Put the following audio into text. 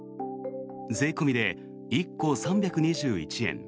税込みで１個３２１円。